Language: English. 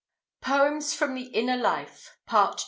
POEMS FROM THE INNER LIFE. PART II.